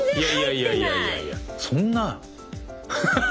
いやいやいやいやそんな。